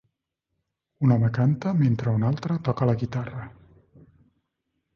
Un home canta mentre un altre toca la guitarra.